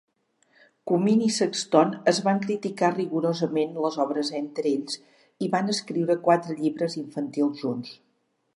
Kumin i Sexton es van criticar rigorosament les obres entre ells i van escriure quatre llibres infantils junts.